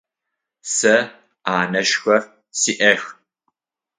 Сэ анэшхэр сиӏэх.